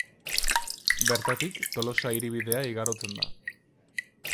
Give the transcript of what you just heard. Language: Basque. Bertatik Tolosa hiribidea igarotzen da.